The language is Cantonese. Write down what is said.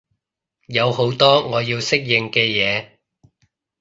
有好多我要適應嘅嘢